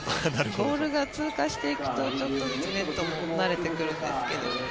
ボールが通過していくとちょっとずつネットも慣れてくるんですが。